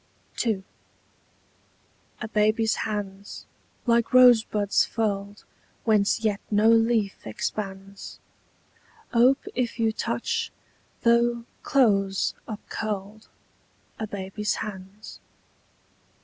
II. A baby's hands, like rosebuds furled Whence yet no leaf expands, Ope if you touch, though close upcurled, A baby's hands.